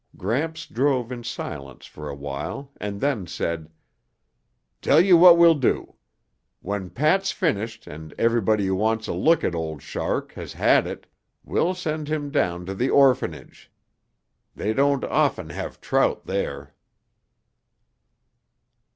Gramps drove in silence for a while and then said, "Tell you what we'll do. When Pat's finished and everybody who wants a look at Old Shark has had it, we'll send him down to the orphanage. They don't often have trout there."